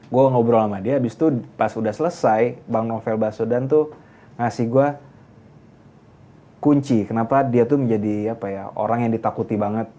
gue ngobrol sama dia abis itu pas udah selesai bang novel baswedan tuh ngasih gue kunci kenapa dia tuh menjadi apa ya orang yang ditakuti banget